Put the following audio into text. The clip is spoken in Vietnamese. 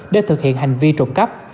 để thực hiện hành vi trộm cắp